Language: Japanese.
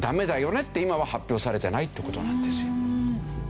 今は発表されてないって事なんですよ。